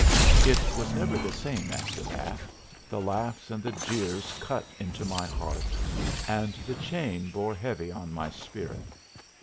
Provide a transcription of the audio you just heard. It was never the same after that; the laughs and the jeers cut into my heart, and the chain bore heavy on my spirit.